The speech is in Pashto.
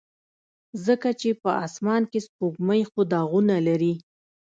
ځکه چې په اسمان کې سپوږمۍ خو داغونه لري.